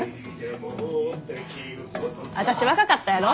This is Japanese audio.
私若かったやろ？